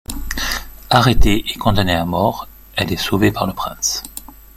Arrêtée et condamnée à mort, elle est sauvée par le Prince.